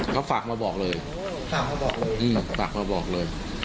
เขาฝากมาบอกเลยฝากมาบอกเลย